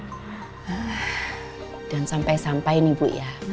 mbak bella itu sering datang juga ke makamnya bu ya